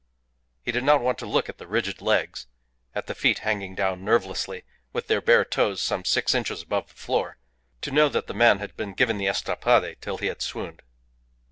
He did not want to look at the rigid legs, at the feet hanging down nervelessly, with their bare toes some six inches above the floor, to know that the man had been given the estrapade till he had swooned.